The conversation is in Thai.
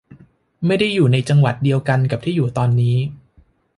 ไม่ได้อยู่ในจังหวัดเดียวกันกับที่อยู่ตอนนี้